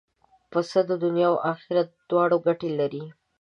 پسه د دنیا او آخرت دواړو ګټه لري.